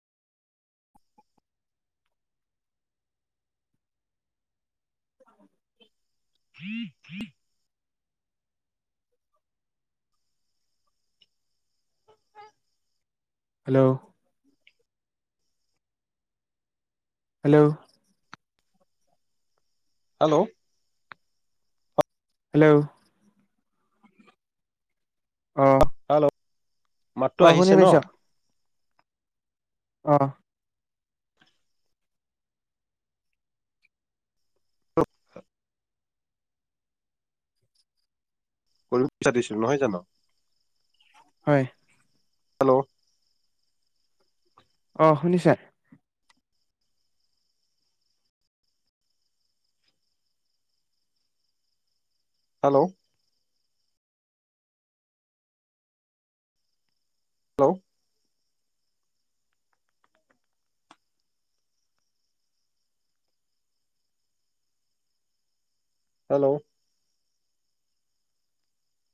[unintelligible] [inaudible] Hello hello hello hello অঁ' hello মাততো আহিছে ন। পাইছ অঁ' কৰিব বিচাৰিছো, নহয় জানো? হয়। হেল্লৌ' অঁ' শুনিছা। Hello hello hello